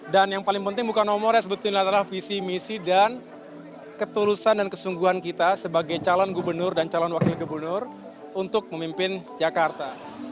dan yang paling penting bukan nomor ya sebetulnya adalah visi misi dan ketulusan dan kesungguhan kita sebagai calon gubernur dan calon wakil gubernur untuk memimpin jakarta